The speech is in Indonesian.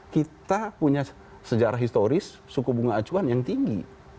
kita punya sejarah historis suku bunga acuan yang tinggi